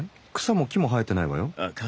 草も木も生えてないわよ。